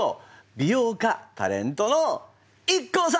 美容家・タレントのＩＫＫＯさんです！